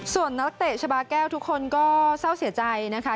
ส่วนนักเตะชาบาแก้วทุกคนก็เศร้าเสียใจนะคะ